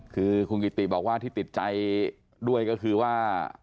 คือคุณกิติบอกว่าที่ติดใจด้วยก็คือว่า